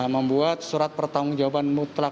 membuat surat pertanggung jawaban mutlak